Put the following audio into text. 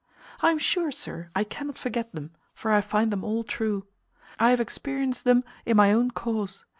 I am sure, sir, I cannot forget them, for I find them all true. I have experienced them in my own cause.